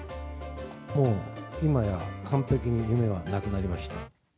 もう今や完璧に夢はなくなりました。